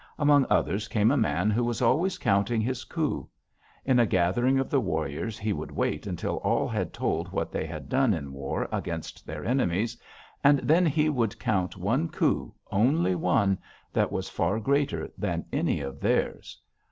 Among others came a man who was always counting his coups. In a gathering of the warriors he would wait until all had told what they had done in war against their enemies, and then he would count one coup, only one, that was far greater than any of theirs.